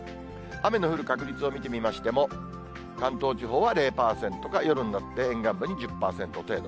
雨の降る確率を見てみましても、関東地方は０％か夜になって沿岸部に１０％程度。